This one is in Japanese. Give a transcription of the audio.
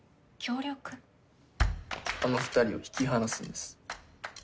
あの二人を引き離すんです。